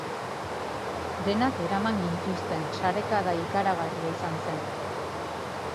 Denak eraman gintuzten, sarekada ikaragarria izan zen.